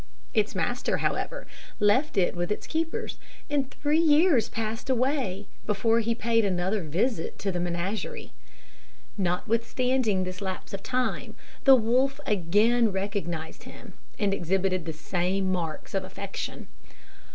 Its master, however, left it with its keepers, and three years passed away before he paid another visit to the menagerie. Notwithstanding this lapse of time, the wolf again recognised him, and exhibited the same marks of affection.